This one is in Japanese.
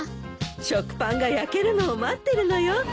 食パンが焼けるのを待ってるのよ。